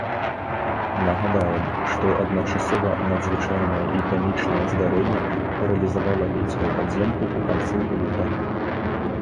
Нагадаем, што адначасова надзвычайнае і камічнае здарэнне паралізавала мінскую падземку у канцы лютага.